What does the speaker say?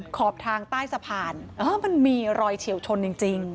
ขอบทางใต้สะพานมันมีรอยเฉียวชนจริง